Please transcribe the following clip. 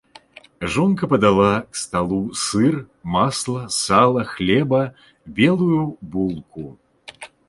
Жонка падала к сталу сыр, масла, сала, хлеба, белую булку.